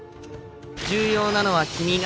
重要なのは君が。